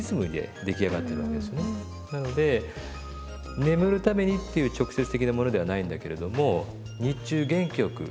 なので眠るためにっていう直接的なものではないんだけれども日中元気よく。